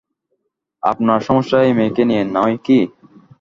আপনার সমস্যা এই মেয়েকে নিয়েই, নয় কি?